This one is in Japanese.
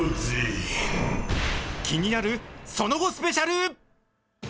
気になるその後スペシャル。